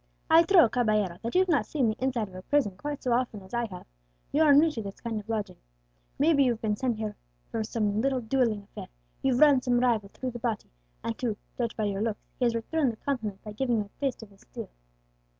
"I trow, caballero, that you've not seen the inside of a prison quite so often as I have; you are new to this kind of lodging. Maybe you've been sent hither for some little duelling affair; you've run some rival through the body, and, to judge by your looks, he has returned the compliment by giving you a taste of his steel."